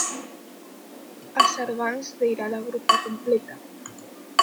A Sargans deira la gruppa cumpletta.